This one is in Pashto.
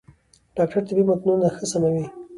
ډاکټر طبي متنونه ښه سموي.